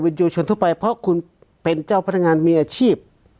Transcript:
วิญญาณอยู่ชนทั่วไปเพราะคุณเป็นเจ้าพระทางานมีอาชีพ